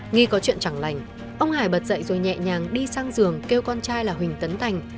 nghi có chuyện chẳng lành ông hải bật dậy rồi nhẹ nhàng đi sang giường kêu con trai là huỳnh tấn thành